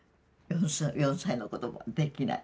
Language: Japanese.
４歳の子どもはできない。